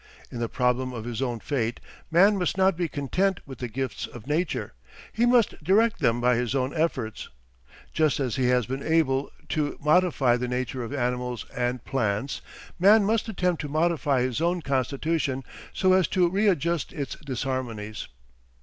In the problem of his own fate, man must not be content with the gifts of nature; he must direct them by his own efforts. Just as he has been able to modify the nature of animals and plants, man must attempt to modify his own constitution, so as to readjust its disharmonies.